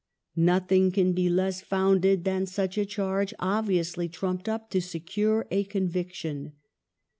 Nothing can be less founded than such a charge, obviously trumped up to secure a conviction.